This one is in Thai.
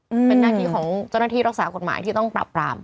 เป็นหน้าที่ของเจ้าหน้าที่รักษากฎหมายที่ต้องปรับปราม